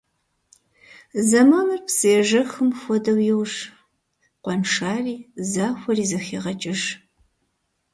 Заманыр псы ежэхым хуэдэу йож, къуэншари захуэри зэхегъэкӏыж.